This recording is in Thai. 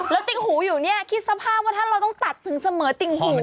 แล้วติ่งหูอยู่เนี่ยคิดสภาพว่าถ้าเราต้องตัดถึงเสมอติ่งหู